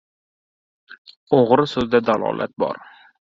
o‘g‘ri so‘zda dalolat bor